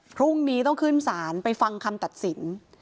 พรุ่งนี้ต้องขึ้นศาลไปฟังคำตัดสิน